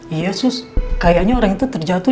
iya sih kayaknya orang itu terjatuh